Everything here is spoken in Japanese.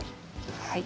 はい。